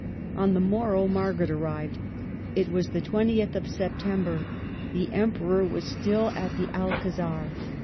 On the morrow Margaret arrived. It was the 20th of Septem ber. The Emperor was still at the Alcazar.